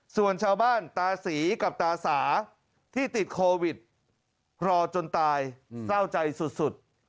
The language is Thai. ส่วนชาวบ้านตาศรีกับตาสาที่ติดโควิดรอจนตายเศร้าใจสุด